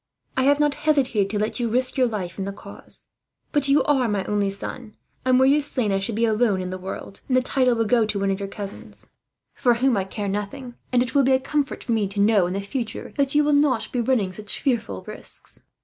I have not hesitated to let you risk your life in the cause; but you are my only son and, were you slain, I should be alone in the world; and the title would go to one of your cousins, for whom I care nothing; and it will be a comfort for me to know, in the future, you will not be running such fearful risks."